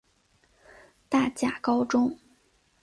大甲高中